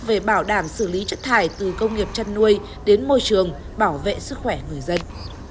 về bảo đảm xử lý chất thải từ công nghiệp chăn nuôi đến môi trường bảo vệ sức khỏe người dân